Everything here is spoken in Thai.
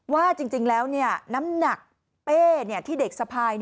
ว่าจริงแล้วน้ำหนักเป้ที่เด็กสะพาย